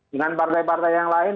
dengan partai partai yang lain